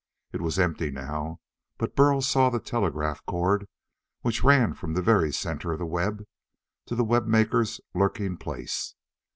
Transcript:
It was empty now, but Burl saw the telegraph cord which ran from the very center of the web to the web maker's lurking place.